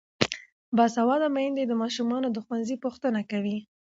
باسواده میندې د ماشومانو د ښوونځي پوښتنه کوي.